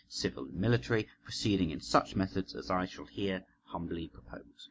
. civil and military, proceeding in such methods as I shall here humbly propose.